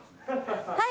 はい。